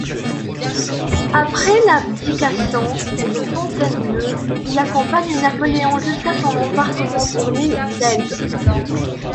Après l'abdication de Fontainebleau, il accompagne Napoléon jusqu'à son embarquement pour l'île d'Elbe.